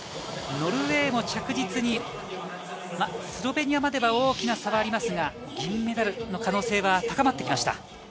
ノルウェーも着実に、スロベニアまでは大きく差はありますが、銀メダルの可能性が高まってきました。